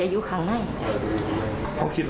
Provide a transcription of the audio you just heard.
อันนี้แม่งอียางเนี่ย